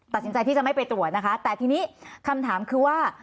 ตัดสินใจที่จะไม่ไปตรวจนะคะแต่ทีนี้คำถามคือว่า